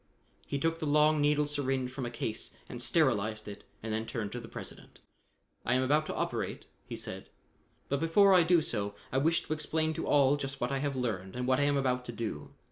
He took the long needled syringe from a case and sterilized it and then turned to the President. "I am about to operate," he said, "but before I do so, I wish to explain to all just what I have learned and what I am about to do.